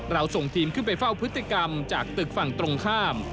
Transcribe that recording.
ส่งทีมขึ้นไปเฝ้าพฤติกรรมจากตึกฝั่งตรงข้าม